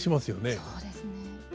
そうですね。